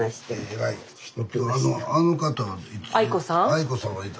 愛子さんはいつ？